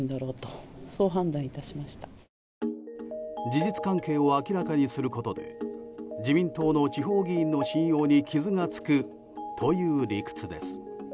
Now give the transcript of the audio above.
事実関係を明らかにすることで自民党の地方議員の信用に傷がつくという理屈です。